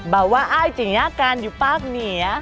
บ่าว่าอ้ายจะอยากการอยู่ภาคเหนีย